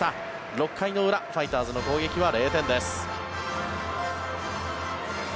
６回の裏、ファイターズの攻撃は０点です。